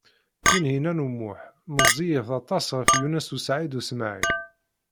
Tinhinan u Muḥ meẓẓiyet aṭas ɣef Yunes u Saɛid u Smaɛil.